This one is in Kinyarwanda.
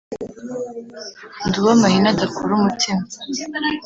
ndi uwo amahina adakura umutima,